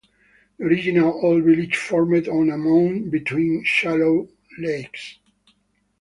The original old village formed on a mount between shallow lakes.